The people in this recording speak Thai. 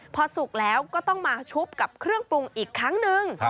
พอสุกแล้วก็ต้องมาชุบกับเครื่องปรุงอีกครั้งนึง